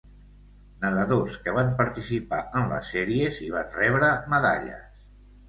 Nedadors que van participar en les sèries i van rebre medalles.